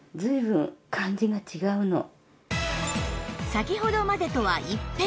先ほどまでとは一変